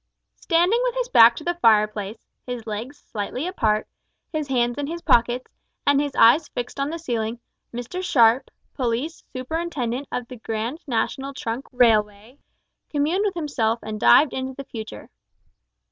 Standing with his back to the fireplace, his legs slightly apart, his hands in his pockets, and his eyes fixed on the ceiling, Mr Sharp, Police Superintendent of the Grand National Trunk Railway, communed with himself and dived into the future.